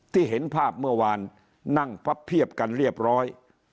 เห็นภาพเมื่อวานนั่งพับเพียบกันเรียบร้อย